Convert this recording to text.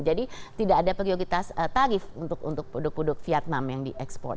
jadi tidak ada prioritas tarif untuk produk produk vietnam yang diekspor